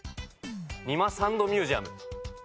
仁摩サンドミュージアム。